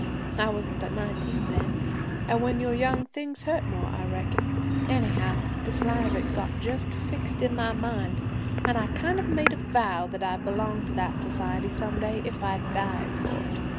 I wasn't but nineteen then, an' when you're young things hurt more, I reckon. Anyhow the slight of it got just fixed in my mind, an' I made a kind of a vow that I'd belong to that society some day if I died for it.